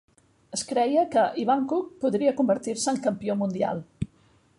Es creia que Ivanchuk podria convertir-se en campió mundial.